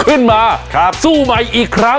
ขึ้นมาครับสู้ใหม่อีกครั้งอ่อ